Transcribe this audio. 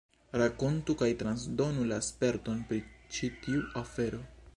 Rakontu kaj transdonu la sperton pri ĉi tiu afero.